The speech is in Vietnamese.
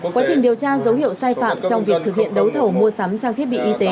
quá trình điều tra dấu hiệu sai phạm trong việc thực hiện đấu thầu mua sắm trang thiết bị y tế